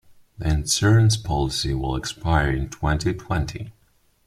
The insurance policy will expire in twenty-twenty.